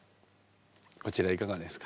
こちらいかがですか？